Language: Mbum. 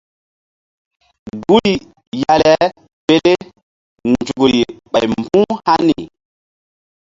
Guri ya le pele nzukri ɓay mbu̧h hani.